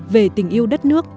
về tình yêu đất nước